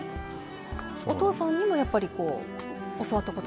お父さんにもやっぱり教わったことが？